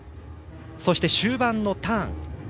そして終盤のターン。